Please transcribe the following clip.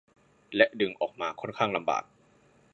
และดึงออกมาค่อนข้างลำบาก